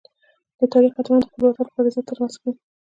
د تاریخ اتلان د خپل وطن لپاره عزت ترلاسه کوي.